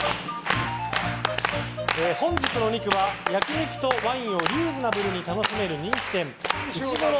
本日のお肉は焼き肉とワインをリーズナブルに楽しめる人気店うしごろ